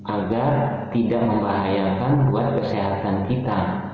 agar tidak membahayakan buat kesehatan kita